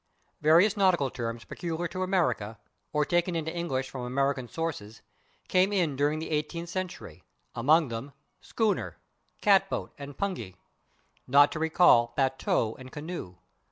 Various nautical terms peculiar to America, or taken into English from American sources, came in during the eighteenth century, among them, /schooner/, /cat boat/ and /pungy/, not to recall /batteau/ and /canoe